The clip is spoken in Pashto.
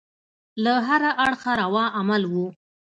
له هره اړخه روا عمل وو.